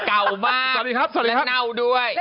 เก่ามากและเน่าด้วย